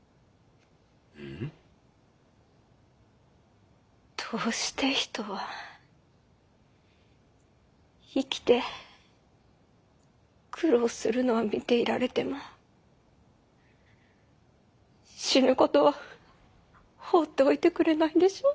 うん？どうして人は生きて苦労するのは見ていられても死ぬ事は放っておいてくれないんでしょうか？